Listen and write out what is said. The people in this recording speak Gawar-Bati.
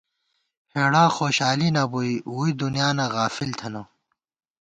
ہېڑا خوشالی نہ بُوئی ، ووئی دُنیانہ غافل تھنہ